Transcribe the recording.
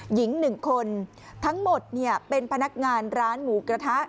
หญิงหนึ่งคนทั้งหมดเป็นพนักงานร้านหมูกระทะ